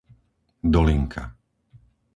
Dolinka